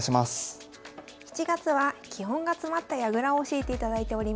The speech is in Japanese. ７月は基本が詰まった矢倉を教えていただいております。